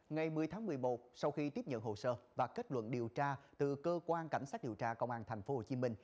ngày một mươi tháng một mươi một sau khi tiếp nhận hồ sơ và kết luận điều tra từ cơ quan cảnh sát điều tra công an tp hcm